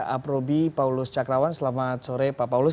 aprobi paulus cakrawan selamat sore pak paulus